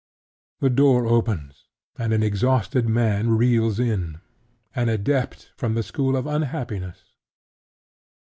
The door opens: and an exhausted man reels in: an adept from the school of unhappiness.